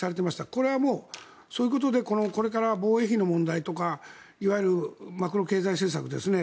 これはもうそういうことでこれから防衛費の問題とかいわゆるマクロ経済政策ですね